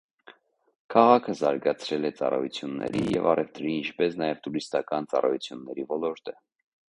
Քաղաքը զարգացրել է ծառայությունների և առևտրի, ինչպես նաև տուրիստական ծառայությունների ոլորտը։